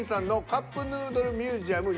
カップヌードルミュージアム